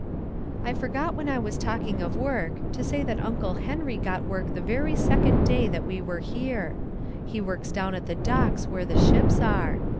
I forgot when I was talking of work to say that Uncle Henry got work the very second day that we were here. He works down at the docks where the ships are.